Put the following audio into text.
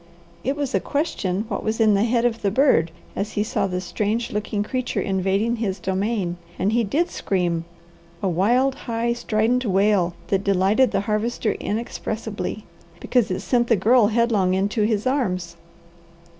It was a question what was in the head of the bird as he saw the strange looking creature invading his domain, and he did scream, a wild, high, strident wail that delighted the Harvester inexpressibly, because it sent the Girl headlong into his arms.